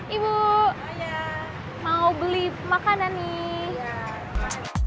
ibu mau beli makanan nih